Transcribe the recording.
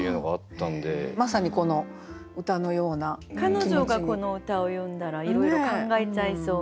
彼女がこの歌をよんだらいろいろ考えちゃいそうな。